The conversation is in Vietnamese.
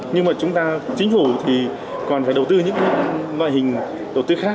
nhưng mà chúng ta chính phủ thì còn phải đầu tư những loại hình đầu tư khác